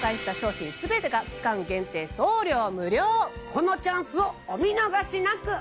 このチャンスをお見逃しなく！